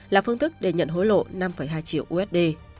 là phương thức để nhận hối lộ năm hai triệu usd